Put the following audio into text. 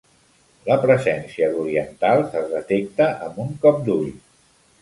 La presència d'orientals es detecta amb un cop d'ull.